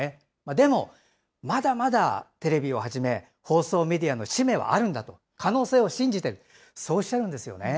でも、まだまだテレビをはじめ、放送メディアの使命はあるんだと、可能性を信じてる、そうおっしゃるんですよね。